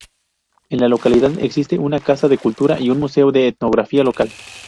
En la localidad existe una Casa de Cultura y un museo de etnografía local.